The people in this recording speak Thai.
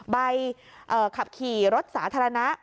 ใบขับขี่รถสาธารณะ